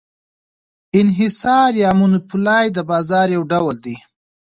انحصار یا monopoly د بازار یو ډول دی.